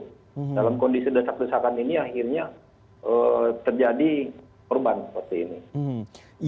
dalam kondisi desak desakan ini akhirnya terjadi korban seperti ini